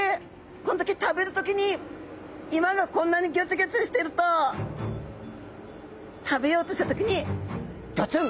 この時食べる時に岩がこんなにギョツギョツしてると食べようとした時にゴツンゴツンゴツン！